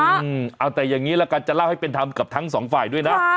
เอาแต่อย่างนี้ละกันจะเล่าให้เป็นธรรมกับทั้งสองฝ่ายด้วยนะ